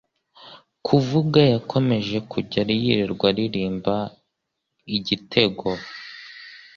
kuvuga yakomeje kujya yirirwa aririmba Igitego,